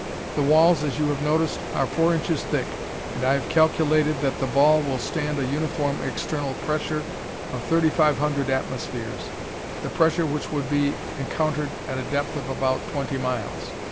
The walls, as you have noticed, are four inches thick, and I have calculated that the ball will stand a uniform external pressure of thirty five hundred atmospheres, the pressure which would be encountered at a depth of about twenty miles.